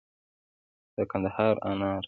د کندهار انار